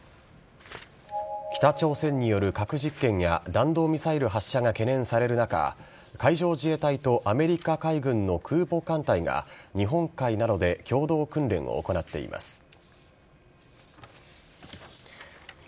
北朝鮮による核実験や弾道ミサイル発射が懸念される中海上自衛隊とアメリカ海軍の空母艦隊が日本海などで共同訓練を行っています。